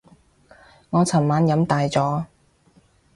我尋晚飲大咗